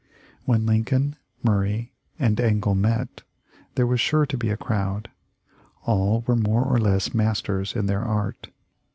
When Lincoln, Murray, and Engle met, there was sure to be a crowd. All were more or less masters in their art.